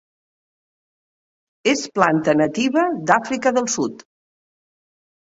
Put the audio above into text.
És planta nativa d'Àfrica del Sud.